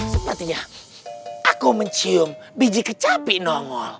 sepertinya aku mencium biji kecapi nono